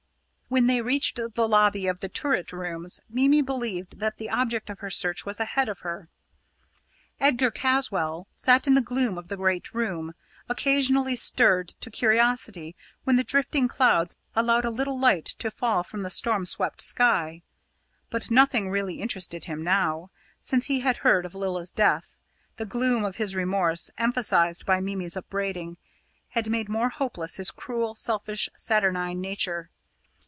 When they reached the lobby of the turret rooms, Mimi believed that the object of her search was ahead of her. Edgar Caswall sat in the gloom of the great room, occasionally stirred to curiosity when the drifting clouds allowed a little light to fall from the storm swept sky. But nothing really interested him now. Since he had heard of Lilla's death, the gloom of his remorse, emphasised by Mimi's upbraiding, had made more hopeless his cruel, selfish, saturnine nature.